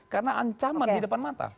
karena ancaman di depan mata